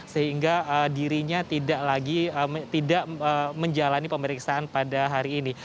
sehingga dirinya tidak menjalani pemeriksaan pada hari ini